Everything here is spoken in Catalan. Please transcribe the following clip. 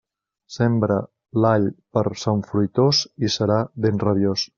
Sembre l'all per Sant Fruitós i serà ben rabiós.